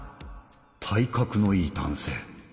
体格のいい男性。